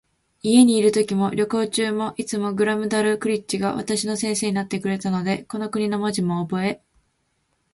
家にいるときも、旅行中も、いつもグラムダルクリッチが私の先生になってくれたので、この国の文字もおぼえ、